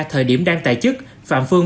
thời điểm đang tài chức phạm phương